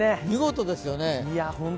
見事ですよね。